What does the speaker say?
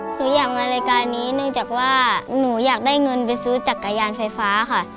หนูอยากมารายการนี้เนื่องจากว่าหนูอยากได้เงินไปซื้อจักรยานไฟฟ้าค่ะ